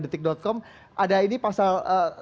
detik com ada ini pasal